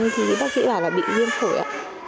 nhưng bác sĩ bảo là bị viêm phổi ạ